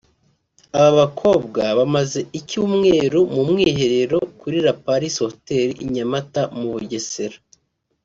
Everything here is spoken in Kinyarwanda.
Aba bakobwa bamaze icyumweru mu mwiherero kuri La Palisse Hotel i Nyamata mu Bugesera